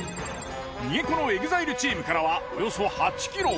逃げ子のＥＸＩＬＥチームからはおよそ８ｋｍ。